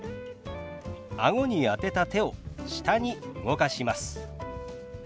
あごに当てた手を下に動かします。